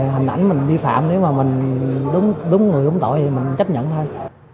hình ảnh mình vi phạm nếu mà mình đúng người đúng tội thì mình chấp nhận thôi